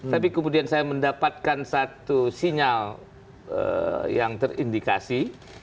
tapi kemudian saya mendapatkan satu sinyal yang terindikasi